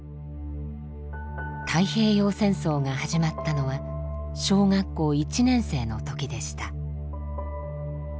太平洋戦争が始まったのは小学校１年生の時でした。